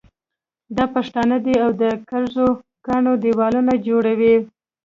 دا پښتانه دي او د کږو کاڼو دېوالونه جوړوي.